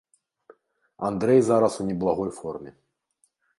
Андрэй зараз у неблагой форме.